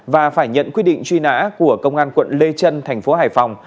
và phải nhận quyết định truy nã của công an quận lê trân thành phố hải phòng